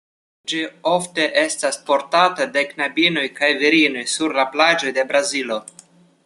Ĝi ofte estas portata de knabinoj kaj virinoj sur la plaĝoj de Brazilo.